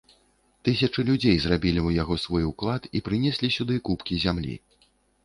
Тысячы людзей зрабілі ў яго свой уклад і прынеслі сюды купкі зямлі.